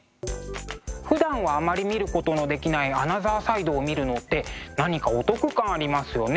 ふだんはあまり見ることのできないアナザーサイドを見るのって何かお得感ありますよね。